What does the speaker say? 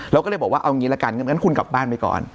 เราก็เลยบอกว่าเอางี้ละกันงั้นคุณกลับบ้านไปก่อน